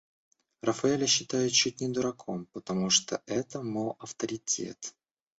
Рафаэля считают чуть не дураком, потому что это, мол, авторитет.